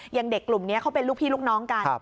อย่างเด็กกลุ่มนี้เขาเป็นลูกพี่ลูกน้องกัน